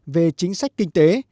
về chính sách kinh tế